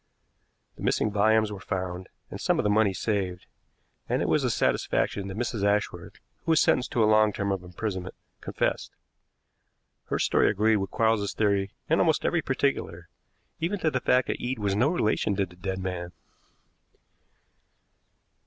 The missing volumes were found, and some of the money saved; and it was a satisfaction that Mrs. Ashworth, who was sentenced to a long term of imprisonment, confessed. Her story agreed with Quarles's theory in almost every particular, even to the fact that Eade was no relation to the dead man.